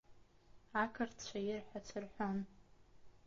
Ақырҭцәа ирҳәац рҳәон.